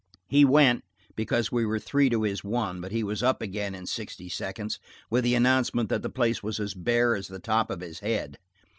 He went, because we were three to his one, but he was up again in sixty seconds, with the announcement that the place was as bare as the top of his head.